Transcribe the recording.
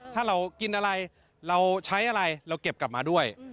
ถ้าเรากินอะไรเราใช้อะไรเราเก็บกลับมาด้วย